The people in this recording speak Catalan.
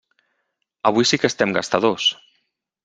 Avui sí que estem gastadors!